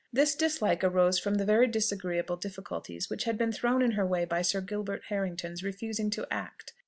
This dislike arose from the very disagreeable difficulties which had been thrown in her way by Sir Gilbert Harrington's refusing to act.